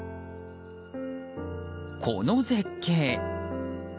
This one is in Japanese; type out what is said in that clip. この絶景。